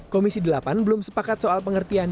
komisi delapan belum sepakat soal pengertian